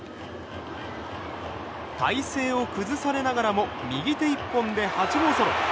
体勢を崩されながらも右手一本で８号ソロ。